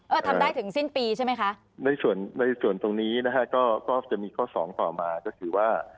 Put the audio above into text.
ทำได้ถึงสิ้นปีใช่ไหมคะในส่วนในส่วนตรงนี้นะฮะก็ก็จะมีข้อสองต่อมาก็คือว่า